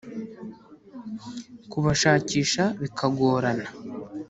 kubashakisha bikagorana